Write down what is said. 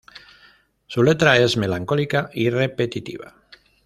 Su letra es melancólica y repetitiva.